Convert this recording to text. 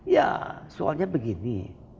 ya soalnya begini